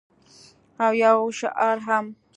او یو شعار هم